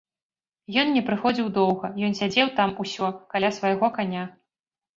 Ён не прыходзіў доўга, ён сядзеў там усё, каля свайго каня.